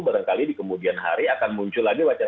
barangkali di kemudian hari akan muncul lagi wacana